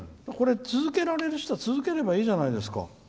続けられる人は続ければいいじゃないですか。